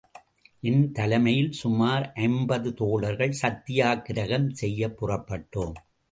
என் தலைமையில் சுமார் ஐம்பது தோழர்கள் சத்யாக்கிரகம் செய்யப் புறப்பட்டோம்.